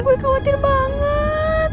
gue khawatir banget